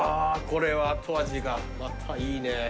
これは後味がまたいいね。